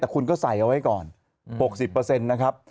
แต่คุณก็ใส่เอาไว้ก่อน๖๐นะครับ